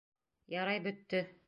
Ярай, бөттө!